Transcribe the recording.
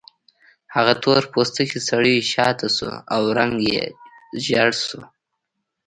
هغه تور پوستکی سړی شاته شو او رنګ یې ژیړ شو